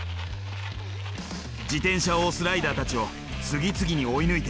自転車を押すライダーたちを次々に追い抜いていく。